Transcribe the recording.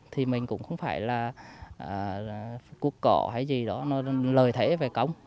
thì mình cũng không phải là cuộc cỏ hay gì đó nó lợi thế về công